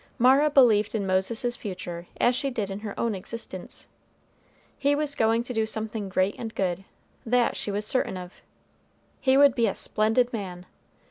Mara believed in Moses's future as she did in her own existence. He was going to do something great and good, that she was certain of. He would be a splendid man!